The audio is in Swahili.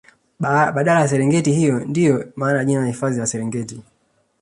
baadala ya serengiti hiyo ndio maana ya jina hifadhi ya Serengeti